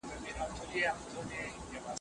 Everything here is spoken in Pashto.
رښتينی انسان به د خپل ايمان ساتنه وکړي.